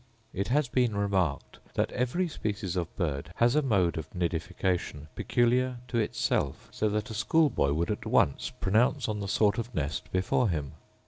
It has been remarked chat every species of bird has a mode of nidification peculiar to itself; so that a schoolboy would at once pronounce on the sort of nest before him.